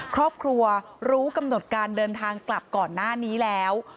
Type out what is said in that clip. ครอบครัวรู้กำหนดการเดินทางกลับก่อนหน้านี้แล้ว